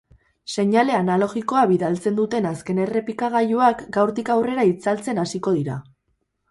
Seinale analogikoa bidaltzen duten azken errepikagailuak gaurtik aurrera itzaltzen hasiko dira.